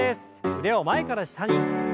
腕を前から下に。